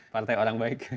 partai orang baik